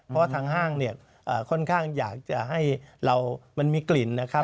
เพราะว่าทางห้างเนี่ยค่อนข้างอยากจะให้เรามันมีกลิ่นนะครับ